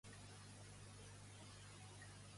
Canadell ignora els atacs de la Cambra de Comerç d'Espanya.